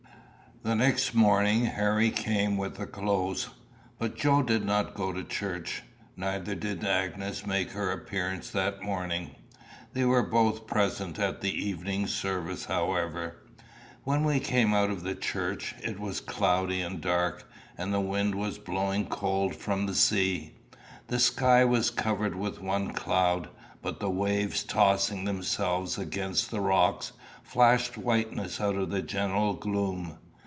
The next morning Harry came with the clothes. But Joe did not go to church. Neither did Agnes make her appearance that morning. They were both present at the evening service, however. When we came out of church, it was cloudy and dark, and the wind was blowing cold from the sea. The sky was covered with one cloud, but the waves tossing themselves against the rocks, flashed whiteness out of the general gloom.